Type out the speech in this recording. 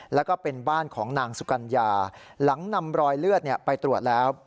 แล้วก็เป็นบ้านของนางสุกัญญาหลังนำรอยเลือดไปตรวจแล้ว